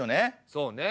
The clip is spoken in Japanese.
そうね。